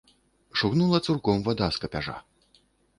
Шугнула цурком вада з капяжа.